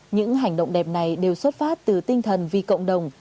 những hành động đẹp này đều xuất phát từ tinh thần vì cộng đồng